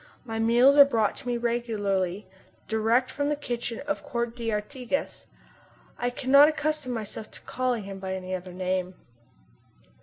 My meals are brought to me regularly, direct from the kitchen of the Count d'Artigas I cannot accustom myself to calling him by any other name.